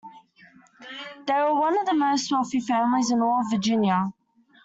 They were one of the most wealthy families in all of Virginia.